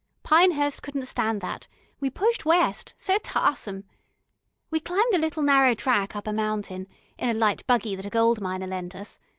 Pinehurst couldn't stand that, we pushed west so tahsome. We climbed a little narrow track up a mountain, in a light buggy that a goldminer lent us.